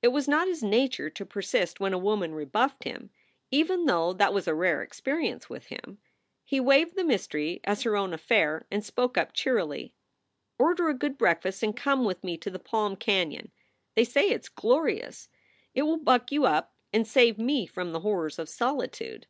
It was not his nature to persist when a woman rebuffed him, even though that was a rare experi ence with him. He waived the mystery as her own affair, and spoke up cheerily: "Order a good breakfast and come with me to the Palm Canon. They say it s glorious. It will buck you up and save me from the horrors of solitude."